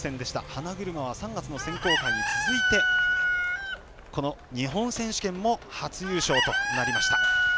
花車は３月の選考会に続いてこの日本選手権も初優勝となりました。